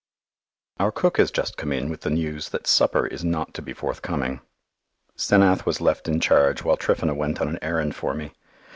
Our cook has just come in with the news that supper is not to be forthcoming. 'Senath was left in charge while Tryphena went on an errand for me.